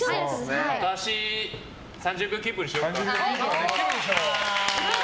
片足３０秒キープにしよう。